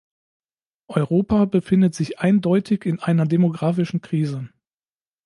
Europa befindet sich eindeutig in einer demografischen Krise.